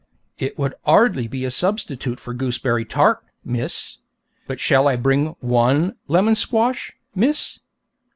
'It would 'ardly be a substitute for gooseberry tart, miss; but shall I bring one lemon squash, miss?'